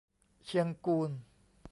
เชียงกูล